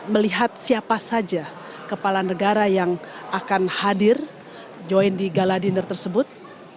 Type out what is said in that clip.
melihat siapa saja kepala negara yang akan hadir join di gala dinner tersebut